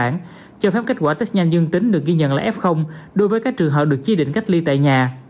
nhận là f đối với các trường hợp được chi định cách ly tại nhà